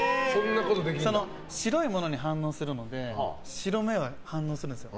白いものに反応するので白目は反応するんですよ